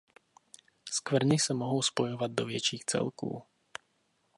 Skvrny se mohou spojovat do větších celků.